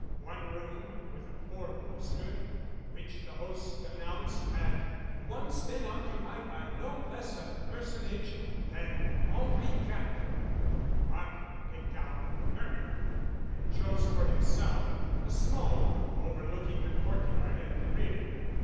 One room with a four poster, which the host announced had once been occupied by no less a personage than Henri Quatre, Markham picked out for Hermia, and chose for himself a small room overlooking the courtyard at the rear.